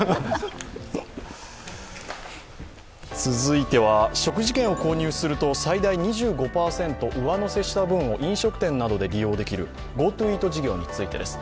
続いては食事券を購入すると最大２５％上乗せした分を飲食店などで利用できるＧｏＴｏイート事業です。